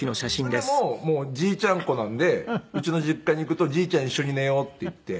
だから娘もじいちゃん子なんでうちの実家に行くと「じいちゃん一緒に寝よう」って言って。